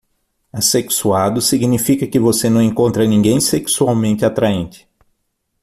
Assexuado significa que você não encontra ninguém sexualmente atraente.